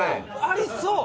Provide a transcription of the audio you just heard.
ありそう！